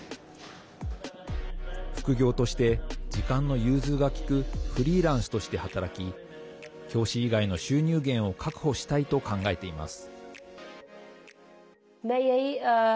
副業として時間の融通が利くフリーランスとして働き教師以外の収入源を確保したいと考えています。